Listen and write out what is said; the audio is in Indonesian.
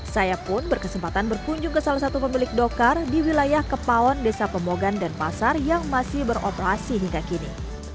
saya pun berkesempatan berkunjung ke salah satu pemilik dokar di wilayah kepaon desa pembogan dan pasar yang masih beroperasi hingga kini